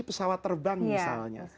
pesawat terbang misalnya